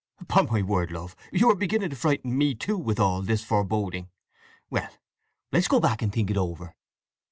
"Upon my word, love, you are beginning to frighten me, too, with all this foreboding! Well, let's go back and think it over."